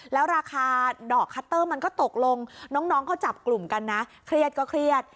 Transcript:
แล้วราคาดอกคัตเตอร์มันก็ตกลงน้องเขาจับกลุ่มกันนะเครียดก็เครียด